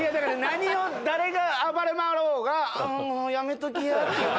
何を誰が暴れ回ろうが「あやめときや」。